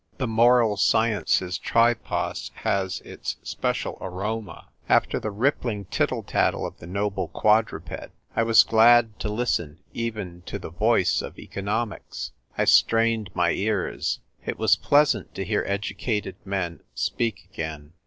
'J'he Moral Sciences Tripos has its special aroma. After the rippling tittle tattle of the noble quadruped I was glad to listen even to the voice of economics. I strained my ears. It was pleasant to hear educated men speak again.